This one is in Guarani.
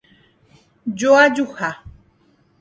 Joajuha